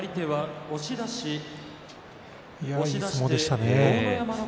いい相撲でしたね。